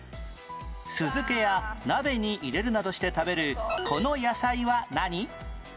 酢漬けや鍋に入れるなどして食べるこの野菜は何？